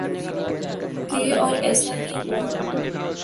گے اور ایسا ہی ہوا۔